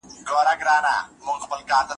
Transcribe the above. زه او ته چې لاس په لاس وو ورغلي